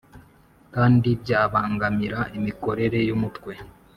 kandi byabangamira imikorere y Umutwe